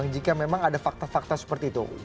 jika memang ada fakta fakta seperti itu